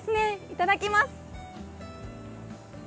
いただきます！